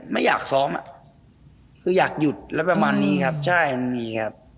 ไม่อยากซ้อมอยากหยุดแล้วประมาณนี้